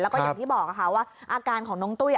แล้วก็อย่างที่บอกค่ะว่าอาการของน้องตุ้ย